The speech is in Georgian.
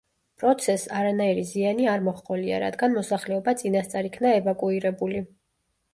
პროცესს არანაირი ზიანი არ მოჰყოლია, რადგან მოსახლეობა წინასწარ იქნა ევაკუირებული.